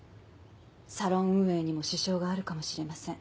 サロン運営にも支障があるかもしれません。